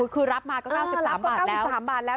คือรับมาก็๙๓บาทแล้ว